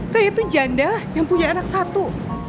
saya itu janda yang punya anak satu